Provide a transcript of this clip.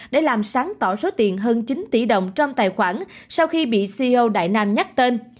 để làm sáng tỏ số tiền hơn chín tỷ đồng trong tài khoản sau khi bị co đại nam nhắc tên